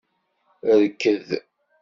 Rked!